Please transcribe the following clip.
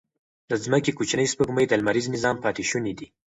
د ځمکې کوچنۍ سپوږمۍ د لمریز نظام پاتې شوني دي.